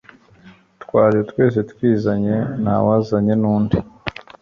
twaje twese twizanye ntawazanye nundi